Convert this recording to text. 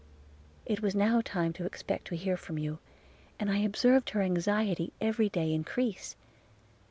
It was now time to expect to hear from you, and I observed her anxiety every day increase.